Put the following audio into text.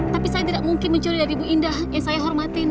tapi saya tidak mungkin mencuri dari bu indah yang saya hormatin